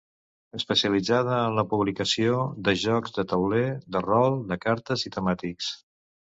Especialitzada en la publicació de jocs de tauler, de rol, de cartes i temàtics.